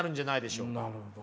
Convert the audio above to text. なるほど。